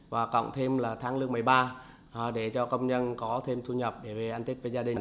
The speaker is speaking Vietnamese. và cộng thêm là tháng lương một mươi ba để cho công nhân có thêm thu nhập để về ăn tết với gia đình